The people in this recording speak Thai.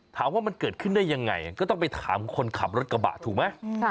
ถามว่ามันเกิดขึ้นได้ยังไงก็ต้องไปถามคนขับรถกระบะถูกไหม